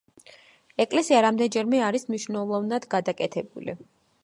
ეკლესია რამდენჯერმე არის მნიშვნელოვნად გადაკეთებული.